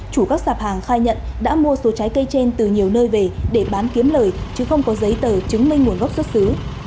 chủ các sạp hàng khai nhận đã mua số trái cây trên từ nhiều nơi về để bán kiếm lời chứ không có giấy tờ chứng minh nguồn gốc xuất xứ